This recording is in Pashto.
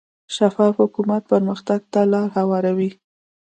شفاف حکومت پرمختګ ته لار هواروي.